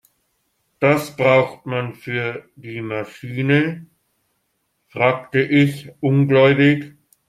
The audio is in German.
"Das braucht man für die Maschine?", fragte ich ungläubig.